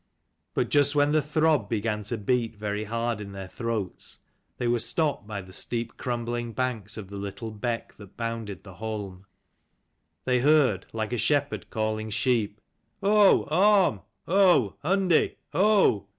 But just when the throb began to beat very hard in their throats, and they were stopped by the steep crumbling banks of the little beck that bounded the holm, they heard, like a shepherd calling sheep, "Ho, Orm! ho, Hundi! ho !